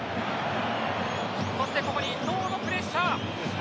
そして、ここに伊東のプレッシャー。